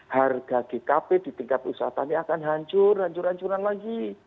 harga gkp di tingkat usaha kami akan hancur hancur hancuran lagi